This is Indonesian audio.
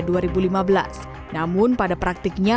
namun pada praktiknya proyek ini tidak akan menampung